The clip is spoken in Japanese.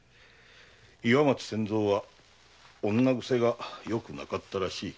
岩松千蔵は女癖がよくなかったらしい。